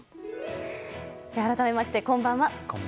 改めまして、こんばんは。